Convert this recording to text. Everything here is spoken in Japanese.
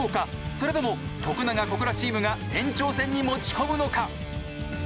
それとも徳永・小倉チームが延長戦に持ち込むのか？